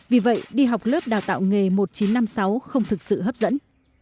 vì vậy đi học lớp đào tạo nghề một nghìn chín trăm năm mươi sáu không thực sự hấp dẫn